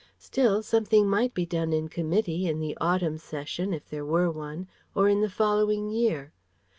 Still, something might be done in Committee, in the autumn Session if there were one or in the following year.